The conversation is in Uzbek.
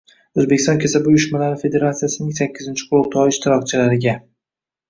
O‘zbekiston Kasaba uyushmalari federatsiyasining sakkizinchi qurultoyi ishtirokchilariga